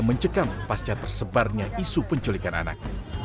mencekam pasca tersebarnya isu penculikan anak